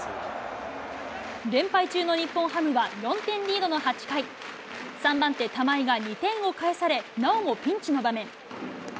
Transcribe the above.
連敗中の日本ハムは４点リードの８回、３番手、玉井が２点を返され、なおもピンチの場面。